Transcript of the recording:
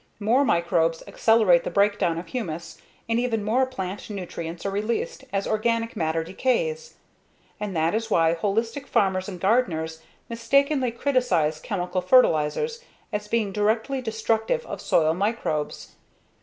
More microbes accelerate the breakdown of humus and even more plant nutrients are released as organic matter decays. And that is why holistic farmers and gardeners mistakenly criticize chemical fertilizers as being directly destructive of soil microbes.